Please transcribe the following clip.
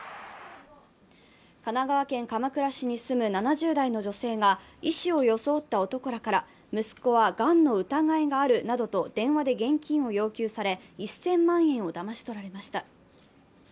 神奈川県鎌倉市に住む７０代の女性が医師を装った男らから息子はがんの疑いがあるなどと電話で現金を要求され１０００万円をだまし取られました。